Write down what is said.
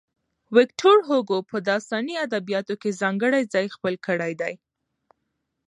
ويکټور هوګو په داستاني ادبياتو کې ځانګړی ځای خپل کړی دی.